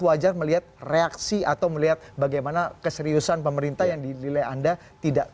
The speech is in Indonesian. wajar melihat reaksi atau melihat bagaimana keseriusan pemerintah yang dinilai anda tidak